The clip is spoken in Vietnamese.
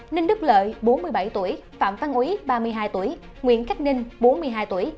ninh đức lợi bốn mươi bảy tuổi phạm phan uý ba mươi hai tuổi nguyễn khách ninh bốn mươi hai tuổi